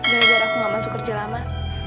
biar biar aku gak masuk kerja lama